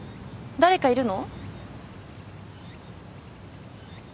誰かいるの？